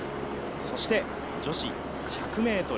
そして女子１００ｍ。